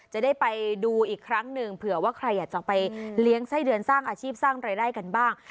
จะได้ไปดูอีกครั้งหนึ่งเผื่อว่าใครอยากจะไปเลี้ยงไส้เดือนสร้างอาชีพสร้างรายได้กันบ้าง